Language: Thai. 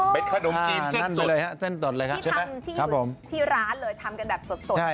เบ็ดขนมจีนเส้นสดที่ทำที่อยู่ที่ร้านเลยทำกันแบบสด